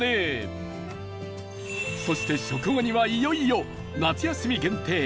そして食後にはいよいよ夏休み限定！